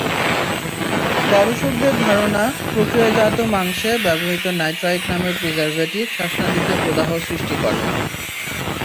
গবেষকদের ধারণা, প্রক্রিয়াজাত মাংসে ব্যবহৃত নাইট্রাইট নামের প্রিজারভেটিভ শ্বাসনালিতে প্রদাহ সৃষ্টি করে।